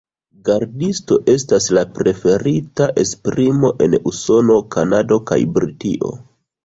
Gardisto estas la preferita esprimo en Usono, Kanado, kaj Britio.